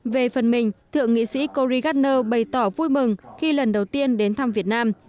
về phần mình thượng nghị sĩ corey gardner bày tỏ vui mừng khi lần đầu tiên đến thăm việt nam